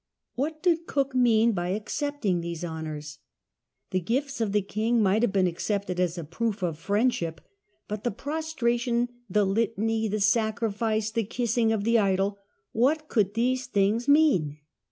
What did Cook mean by accepting these honours? The gifts of the king might have been accepted as a proof of friendship ; but the prostration, the litany, the sacrifice, the kissing of the idol — what could those things mean